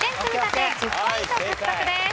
１０ポイント獲得です。